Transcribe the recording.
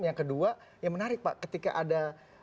yang kedua yang menarik pak ketika ada